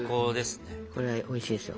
これはおいしいですよ。